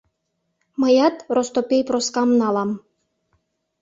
Мыят Ростопей Проскам налам...